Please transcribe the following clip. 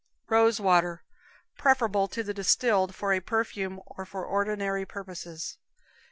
Rose Water. Preferable to the distilled for a perfume, or for ordinary purposes.